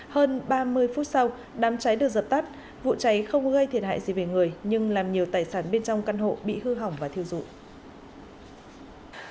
hơn ba mươi phút sau đám cháy được dập tắt vụ cháy không gây thiệt hại gì về người nhưng làm nhiều tài sản bên trong căn hộ bị hư hỏng và thiêu dụi